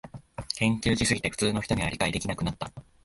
研究しすぎて普通の人には理解できなくなった